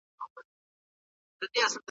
د پرمختګ لپاره وخت او هڅې اړینې دي.